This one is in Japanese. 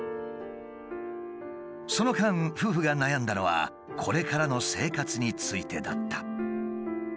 その間夫婦が悩んだのはこれからの生活についてだった。